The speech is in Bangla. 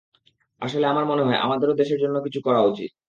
আসলে আমার মনে হয় আমাদেরও দেশের জন্য কিছু করা উচিত।